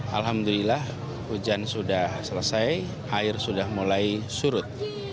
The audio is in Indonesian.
alhamdulillah hujan sudah selesai air sudah mulai surut